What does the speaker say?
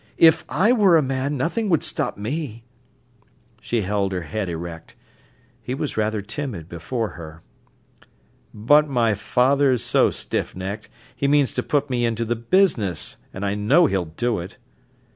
"If I were a man, nothing would stop me." She held her head erect. He was rather timid before her. "But my father's so stiff necked. He means to put me into the business, and I know he'll do it."